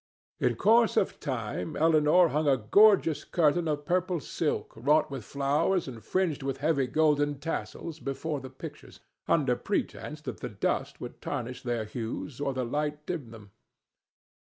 In course of time Elinor hung a gorgeous curtain of purple silk wrought with flowers and fringed with heavy golden tassels before the pictures, under pretence that the dust would tarnish their hues or the light dim them.